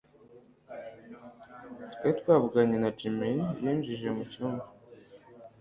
Twari twavuganye na Jim yinjiye mucyumba